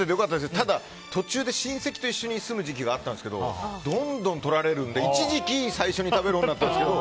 ただ、途中で親戚と一緒に住む時期があったんですけどどんどんとられるので一時期、最初に食べるようになったんですけど今も？